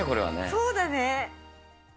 そうだね。